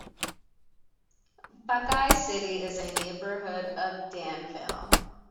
Buckeye City is a neighborhood of Danville.